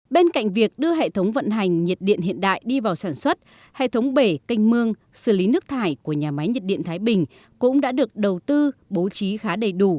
bên cạnh việc đưa hệ thống vận hành nhiệt điện hiện đại đi vào sản xuất hệ thống bể canh mương xử lý nước thải của nhà máy nhiệt điện thái bình cũng đã được đầu tư bố trí khá đầy đủ